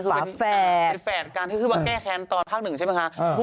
คือเป็นแฝดคือมาแก้แค้นตอนภาคหนึ่งใช่ไหมคะ